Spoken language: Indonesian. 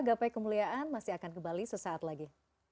gapai kemuliaan masih akan kembali sesaat lagi